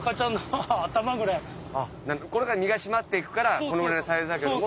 これが身が締まっていくからこのぐらいのサイズだけども。